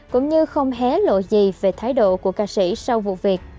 cũng như không hé lộ gì về thái độ của ca sĩ sau vụ việc